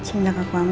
sejak aku amil